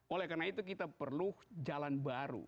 oleh karena itu kita perlu jalan baru